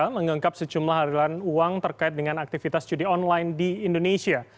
mengungkap sejumlah aliran uang terkait dengan aktivitas judi online di indonesia